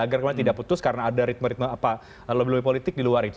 agar kemudian tidak putus karena ada ritme ritme apa lebih lebih politik di luar itu